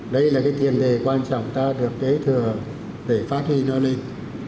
đây là cái tiền đề quan trọng ta được kế thừa để phát huy nó lên